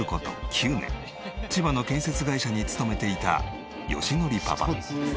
９年千葉の建設会社に勤めていた義典パパ。